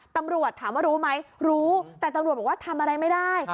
ตำรวจถามว่ารู้ไหมรู้แต่ตำรวจบอกว่าทำอะไรไม่ได้